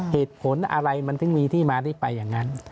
เหตุผลอะไรมันถึงมีที่มาที่ไปอย่างนั้น